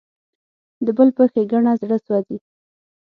د بل په ښېګڼه زړه سوځي.